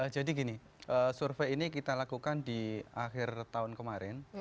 jadi gini survei ini kita lakukan di akhir tahun kemarin